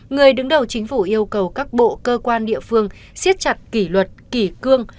người đứng đầu chính phủ yêu cầu các bộ cơ quan địa phương siết chặt kỷ luật kỷ cương